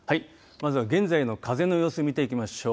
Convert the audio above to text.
まずは現在の風の様子見ていきましょう。